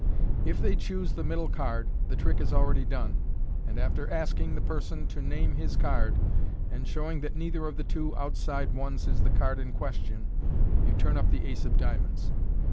If they choose the m4dd?« card, the trick is already done, and after asking the person to nam* MODERN MAGIC. 115 his card, and showing that neither of the two outside ones is the card in question, you turn up the ace of diamonds.